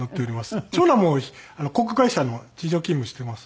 長男も航空会社の地上勤務してます。